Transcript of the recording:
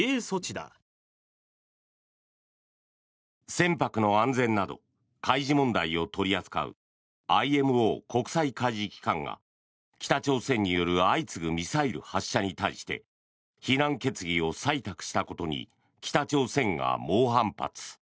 船舶の安全など海事問題を取り扱うＩＭＯ・国際海事機関が北朝鮮による相次ぐミサイル発射に対して非難決議を採択したことに北朝鮮が猛反発。